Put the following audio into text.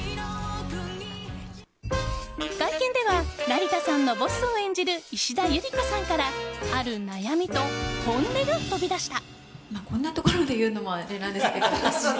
会見では成田さんのボスを演じる石田ゆり子さんからある悩みと本音が飛び出した。